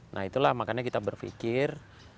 nah itulah makanya kita berpikir